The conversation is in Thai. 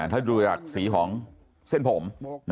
ถ้าดูจากสีของเส้นผม